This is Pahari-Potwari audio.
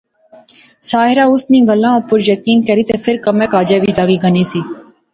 ساحرہ اس نیاں گلاہ اُپر یقین کری تے فیر کمے کاجے وچ لاغی گینی سی